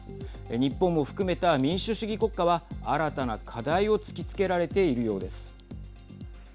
日本も含めた民主主義国家は新たな課題を突きつけられているようです。